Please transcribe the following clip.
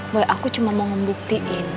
boy aku cuma mau ngebuktiin